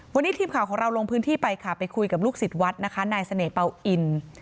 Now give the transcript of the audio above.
วันนี้ทีมข่าวของเราลงพื้นที่ไปค่ะไปคุยกับลูกศิษย์วัดนะคะนายเสน่หเป่าอิน